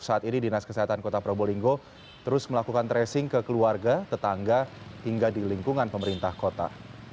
saat ini dinas kesehatan kota probolinggo terus melakukan tracing ke keluarga tetangga hingga di lingkungan pemerintah kota